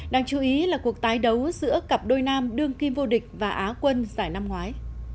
đáng chú ý là cuộc tái đấu giữa cặp đôi nam đương kim vô địch và á quân giải năm ngoái